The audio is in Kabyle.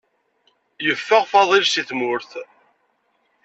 Yeffeɣ Faḍil si tmurt.